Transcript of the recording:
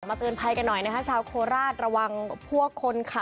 เตือนภัยกันหน่อยนะคะชาวโคราชระวังพวกคนค่ะ